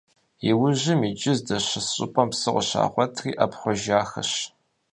Иужьым, иджы здэщыс щӏыпӏэм псы къыщагъуэтри ӏэпхъуэжахэщ.